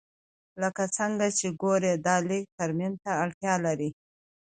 لکه څنګه چې ګورې دا لږ ترمیم ته اړتیا لري